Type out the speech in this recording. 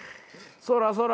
そらそら！